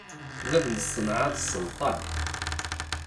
Bab n ṣṣenɛa d sselṭan.